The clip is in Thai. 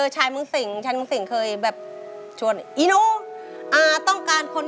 ช่างน้อยอย่างก่อน